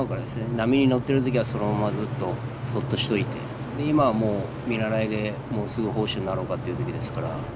波に乗ってる時はそのままずっとそっとしておいて今はもう見習いでもうすぐ砲手になろうかという時ですから。